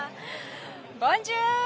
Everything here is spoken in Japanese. ボンジュール！